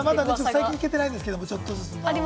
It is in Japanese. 最近行けていないんですが。